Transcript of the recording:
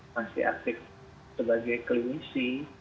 masih aktif sebagai klinisi